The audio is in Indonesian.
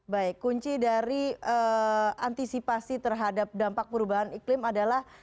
baik kunci dari antisipasi terhadap dampak perubahan iklim adalah